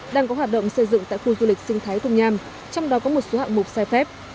đang có hoạt động xây dựng tại khu du lịch sinh thái thung nham trong đó có một số hạng mục sai phép